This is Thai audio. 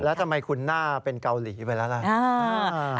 แล้วทำไมคุณหน้าเป็นเกาหลีไปแล้วล่ะ